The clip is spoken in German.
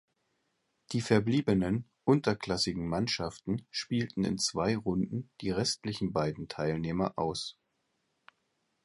Die verbliebenen unterklassigen Mannschaften spielten in zwei Runden die restlichen beiden Teilnehmer aus.